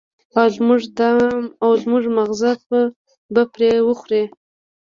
او زموږ ماغزه به پرې وخوري.